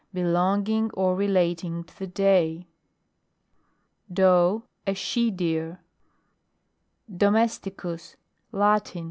Belonging or relating to the day. DOE. A she deer. DOMESTICUS. Latin.